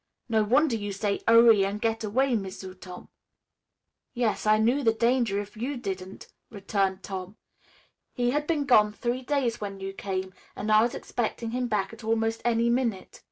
No wonder you say 'urry an' get away, M'sieu' Tom." "Yes, I knew the danger if you didn't," returned Tom. "He had been gone three days when you came and I was expecting him back at almost any minute.